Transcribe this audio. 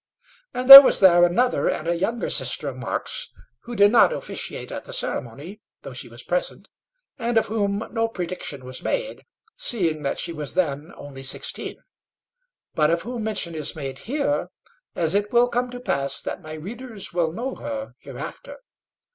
And there was there another and a younger sister of Mark's who did not officiate at the ceremony, though she was present and of whom no prediction was made, seeing that she was then only sixteen, but of whom mention is made here, as it will come to pass that my readers will know her hereafter.